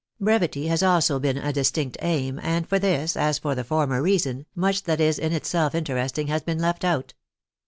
Brevity has also been a distinct aim, and for this, as for the former reason, much that is in itself interesting has been left out.